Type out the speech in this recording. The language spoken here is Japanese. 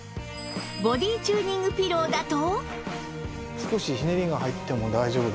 ボディチューニングピローだと